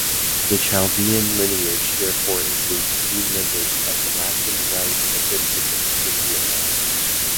The Chaldean lineage therefore includes few members of the Latin Rite episcopate in Vietnam.